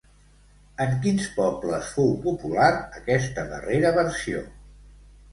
En quins pobles fou popular aquesta darrera versió?